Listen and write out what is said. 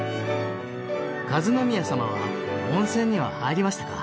和宮さまは温泉には入りましたか？